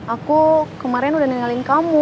aku kemarin udah nengelin kamu